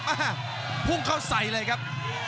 อ่าพุ่งเข้าใส่เลยครับ